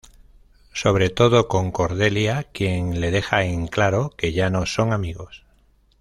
Sobre todo con Cordelia quien le deja en claro que ya no son amigos.